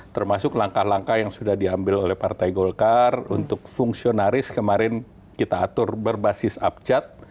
termasuk langkah langkah yang sudah diambil oleh partai golkar untuk fungsionaris kemarin kita atur berbasis abjad